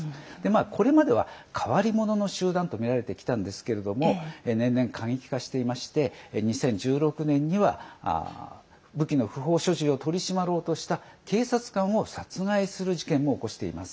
これまでは、変わり者の集団と見られてきたんですけれども年々、過激化していまして２０１６年には武器の不法所持を取り締まろうとした警察官を殺害する事件も起こしています。